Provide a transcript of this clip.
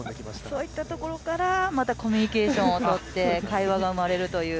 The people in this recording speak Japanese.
そういったところからコミュニケーションをとって、対話が生まれるという。